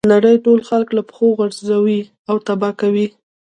نړۍ ټول خلک له پښو غورځوي او تباه کوي.